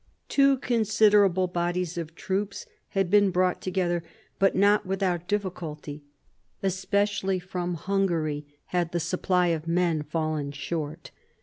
Two considerable bodies of troops had been brought together, but not without difficulty ; especially 1766 7 CHANGE OF ALLIANCES 123 from Hungary had the supply of men fallen short.